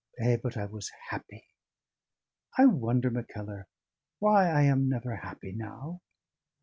Eh, but I was happy. I wonder, Mackellar, why I am never happy now?"